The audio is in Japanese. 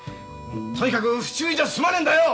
とにかく不注意じゃすまねえんだよ！